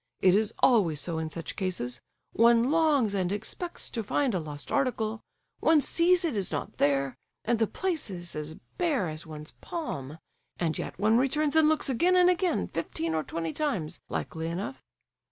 It is always so in such cases. One longs and expects to find a lost article; one sees it is not there, and the place is as bare as one's palm; and yet one returns and looks again and again, fifteen or twenty times, likely enough!"